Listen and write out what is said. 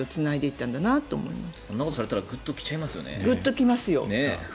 そんなことされたらグッと来ちゃいますよね。